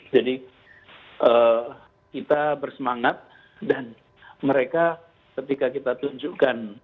jadi kita bersemangat dan mereka ketika kita tunjukkan